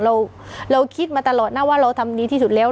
เราคิดมาตลอดนะว่าเราทำดีที่สุดแล้ว